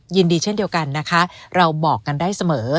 เช่นเดียวกันนะคะเราบอกกันได้เสมอ